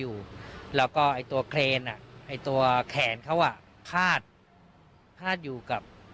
อยู่แล้วก็ไอ้ตัวเครนอ่ะไอ้ตัวแขนเขาอ่ะคาดคาดอยู่กับ